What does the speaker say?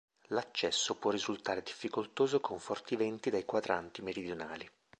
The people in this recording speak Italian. L'accesso può risultare difficoltoso con forti venti dai quadranti meridionali.